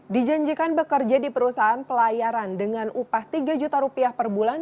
dijanjikan bekerja di perusahaan pelayaran dengan upah tiga juta rupiah per bulan